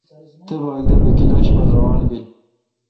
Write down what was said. تے باگ دا بہ کلاش پر روان بیل۔